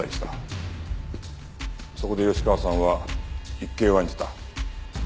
そこで吉川さんは一計を案じた。